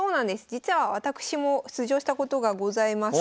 実は私も出場したことがございます。